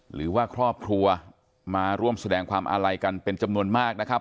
หรือว่าครอบครัวมาร่วมแสดงความอาลัยกันเป็นจำนวนมากนะครับ